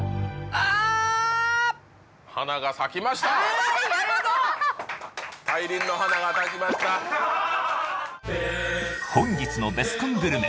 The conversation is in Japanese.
アハハ本日のベスコングルメ